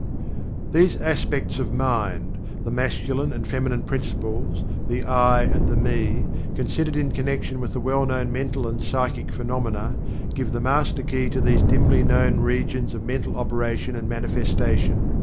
These aspects of mind the Masculine and Feminine Principles the "I" and the "Me" considered in connection with the well known mental and psychic phenomena, give the master key to these dimly known regions of mental operation and manifestation.